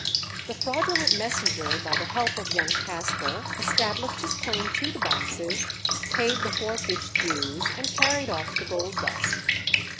The fraudulent messenger, by the help of young Caspar, established his claim to the boxes, paid the wharfage dues, and carried off the gold dust.